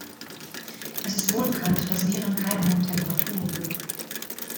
Es ist wohl bekannt, dass Viren keine hohen Temperaturen mögen.